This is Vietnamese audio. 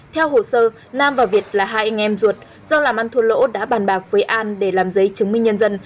theo hồ sơ nam và việt là hai anh em ruột do làm ăn thua lỗ đã bàn bạc với an để làm giấy chứng minh nhân dân